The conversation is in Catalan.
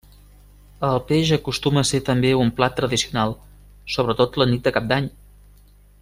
El peix acostuma a ser també un plat tradicional, sobretot la nit del Cap d'Any.